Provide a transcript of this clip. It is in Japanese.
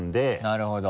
なるほど。